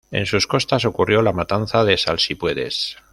En sus costas ocurrió la Matanza de Salsipuedes.